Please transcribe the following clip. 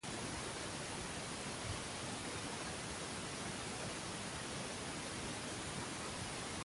Las fuerzas yemeníes han logrado destruir algunos de ellos, mediante misiles Komet.